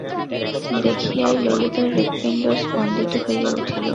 দেখিয়াই ললিতার হৃৎপিণ্ড স্পন্দিত হইয়া উঠিল।